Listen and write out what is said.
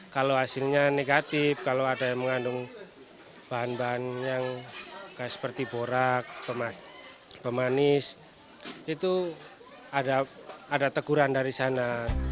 kalau hasilnya negatif kalau ada yang mengandung bahan bahan yang seperti borak pemanis itu ada teguran dari sana